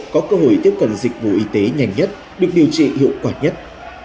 có cơ hội tiếp cận dịch vụ y tế nhanh nhất được điều trị hiệu quả nhất